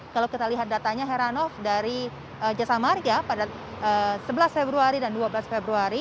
kalau kita lihat datanya heranov dari jasa marga pada sebelas februari dan dua belas februari